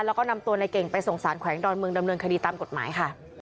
แล้วก็นำตัวในเก่งไปส่งสารแขวงดอนเมืองดำเนินคดีตามกฎหมายค่ะ